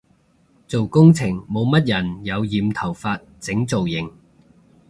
做工程冇乜人有染頭髮整造型